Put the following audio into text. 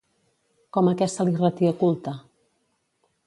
Com a què se li retia culte?